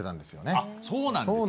あっそうなんですね。